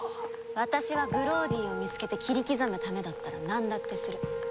私はグローディを見つけて切り刻むためだったらなんだってする。